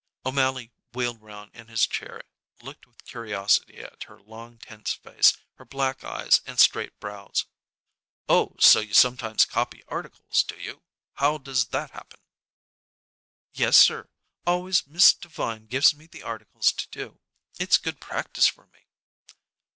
O'Mally wheeled round in his chair, looked with curiosity at her long, tense face, her black eyes, and straight brows. "Oh, so you sometimes copy articles, do you? How does that happen?" "Yes, sir. Always Miss Devine gives me the articles to do. It's good practice for me."